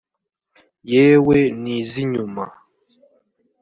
yewe n’ iz’ inyuma